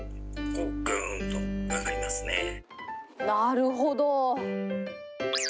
なるほど。